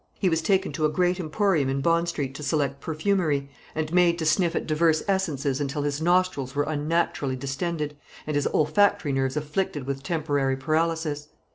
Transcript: He was taken to a great emporium in Bond Street to select perfumery, and made to sniff at divers essences until his nostrils were unnaturally distended, and his olfactory nerves afflicted with temporary paralysis.